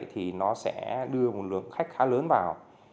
thì nó sẽ đưa một lượng khách khá lớn vào